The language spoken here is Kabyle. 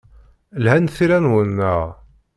Lhant tira-nwen, naɣ?